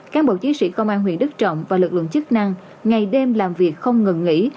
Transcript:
cán bộ chiến sĩ công an huyện đức trọng và lực lượng chức năng ngày đêm làm việc không ngừng nghỉ